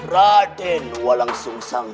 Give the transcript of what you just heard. raden walau susah